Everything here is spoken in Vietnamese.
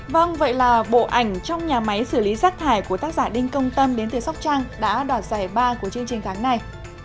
vâng vậy là bộ ảnh trong nhà máy xử lý rác thải của tác giả đinh công tâm đến từ sóc trăng đã đoạt giải ba của chương trình tháng này